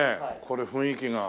これ雰囲気が。